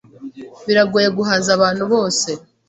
Biragoye guhaza abantu bose.